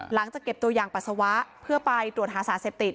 หลังจากเก็บตัวอย่างปัสสาวะเพื่อไปตรวจหาสารเสพติด